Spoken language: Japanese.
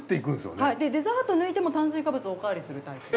はいでデザート抜いても炭水化物おかわりするタイプ。